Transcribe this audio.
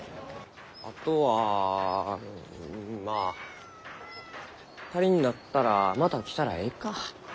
あとはまあ足りんなったらまた来たらえいか。